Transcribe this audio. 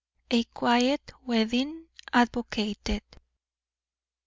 A QUIET WEDDING ADVOCATED.